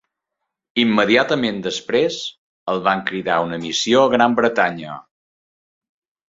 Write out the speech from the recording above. Immediatament després, el van cridar a una missió a Gran Bretanya.